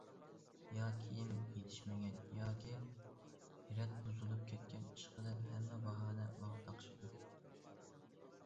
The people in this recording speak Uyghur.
يا كىيىم يېتىشمىگەن، ياكى رەت بۇزۇلۇپ كەتكەن، ئىشقىلىپ ھەممە باھانە ماڭا تاقىشىدۇ!